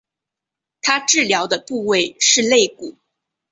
她治疗的部位是肋骨。